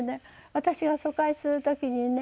私が疎開する時にね